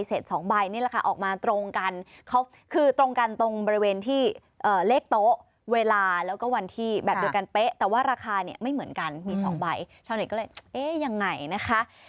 เอ่อเลขโต๊ะเวลาแล้วก็วันที่แบบโดยกันเป๊ะแต่ว่าราคาเนี่ยไม่เหมือนกันมีสองใบเช้าหน่อยก็เลยเอ๊ยยังไงนะคะ